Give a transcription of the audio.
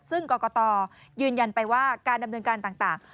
ซึ่งกรกตยืนยันไปว่าการดำเนินการต่าง